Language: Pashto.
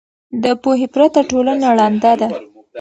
د پوهې پرته ټولنه ړنده ده.